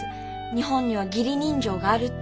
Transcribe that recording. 「日本には義理人情がある」って。